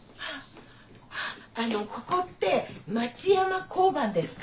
あのここって町山交番ですか？